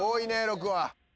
６は。